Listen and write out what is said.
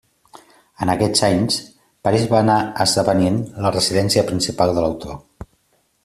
En aquests anys, París va anar esdevenint la residència principal de l'autor.